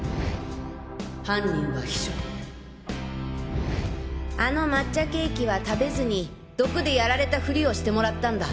犯人は秘書あの抹茶ケーキは食べずに毒でやられたフリをしてもらったんだ。